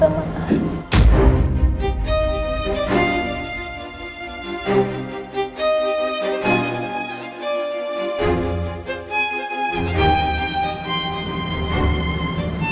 ada berpe strikesan useless